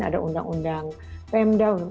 ada undang undang pmdao